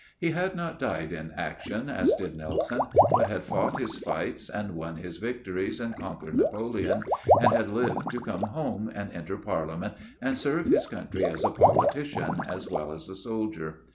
He had not died in action, as did Nelson, but had fought his fights, and won his victories, and conquered Napoleon, and had lived to come home, and enter Parliament, and serve his country as a politician as well as a soldier.